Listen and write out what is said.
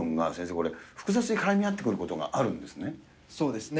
これ、複雑に絡み合ってくることがあるんですそうですね。